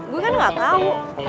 gue kan gak tau